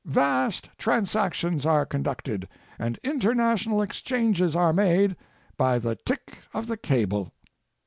Vast trans actions are conducted and international exchanges are made by the tick of the cable.